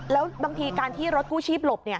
แล้วบางทีการที่รถกู้ชีพหลบ